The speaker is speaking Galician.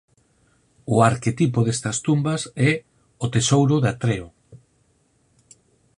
O arquetipo destas tumbas é o "Tesouro de Atreo".